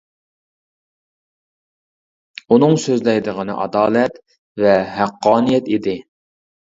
ئۇنىڭ سۆزلەيدىغىنى ئادالەت ۋە ھەققانىيەت ئىدى.